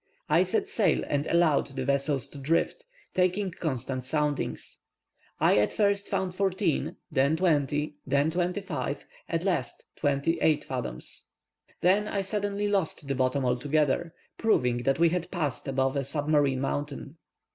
I set sail, and allowed the vessels to drift, taking constant soundings. I at first found fourteen, then twenty, then twenty five, at last twenty eight fathoms. Then I suddenly lost the bottom altogether, proving that we had passed above a submarine mountain.